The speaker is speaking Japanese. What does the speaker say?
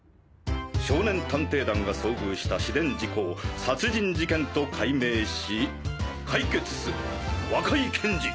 「少年探偵団が遭遇した市電事故を殺人事件と解明し解決す若井健児」。